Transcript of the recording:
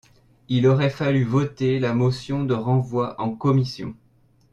Il aurait fallu voter la motion de renvoi en commission.